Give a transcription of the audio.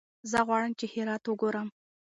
زه غواړم چې هرات وګورم.